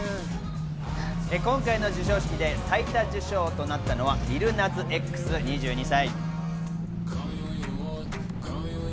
今回の授賞式で最多受賞となったのはリル・ナズ・Ｘ、２２歳。